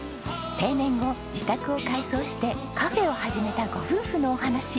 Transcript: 定年後自宅を改装してカフェを始めたご夫婦のお話。